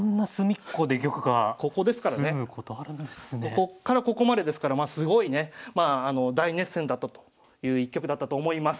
ここからここまでですからまあすごいね大熱戦だったという一局だったと思います。